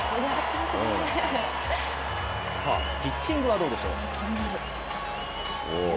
ピッチングはどうでしょう。